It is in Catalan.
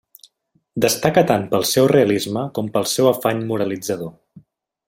Destaca tant pel seu realisme com pel seu afany moralitzador.